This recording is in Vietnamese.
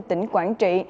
tỉnh quảng trị